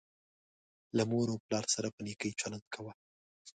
له مور او پلار سره په نیکۍ چلند کوه